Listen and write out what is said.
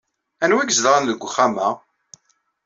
Anwa ay izedɣen deg wexxam-a?